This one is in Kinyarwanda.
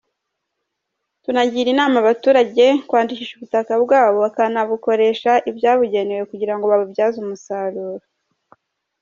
Tunagira inama abaturage kwandikisha ubutaka bwabo bakanabukoresha ibyabugenewe kugira ngo babubyaze umusaruro.